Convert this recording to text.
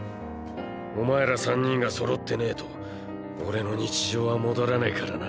お前ら３人がそろってねぇと俺の日常は戻らねぇからな。